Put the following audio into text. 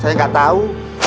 saya nggak tahu